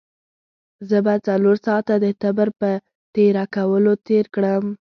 زه به څلور ساعته د تبر په تېره کولو تېر کړم.